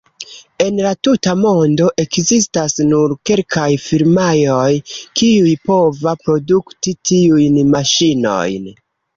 En la tuta mondo ekzistas nur kelkaj firmaoj, kiuj pova produkti tiujn maŝinojn.